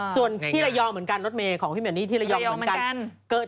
ส่วนที่ระยองเหมือนกันรถเมย์ของพี่เมนนี่ที่ระยองเหมือนกัน